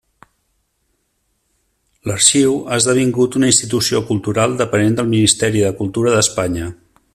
L'arxiu ha esdevingut una institució cultural depenent del Ministeri de Cultura d'Espanya.